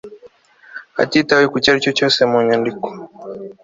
hatitawe ku cyo ari cyo cyose mu nyandiko